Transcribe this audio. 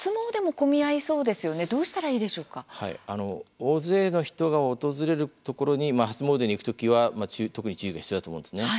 大勢の人が訪れるところに初詣に行く時は特に注意が必要だと思うんですね。